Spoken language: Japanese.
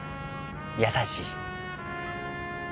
優しい。